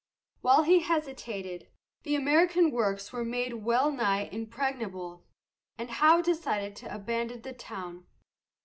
While he hesitated, the American works were made well nigh impregnable, and Howe decided to abandon the town.